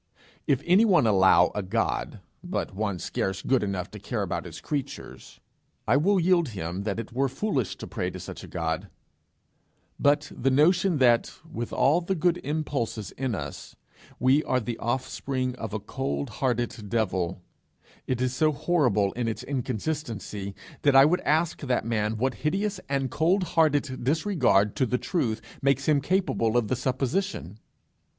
If any one allow a God, but one scarce good enough to care about his creatures, I will yield him that it were foolish to pray to such a God; but the notion that, with all the good impulses in us, we are the offspring of a cold hearted devil, is so horrible in its inconsistency, that I would ask that man what hideous and cold hearted disregard to the truth makes him capable of the supposition!